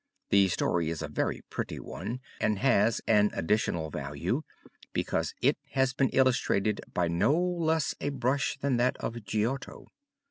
The story is a very pretty one and has an additional value because it has been illustrated by no less a brush than that of Giotto.